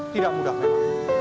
tidak mudah memang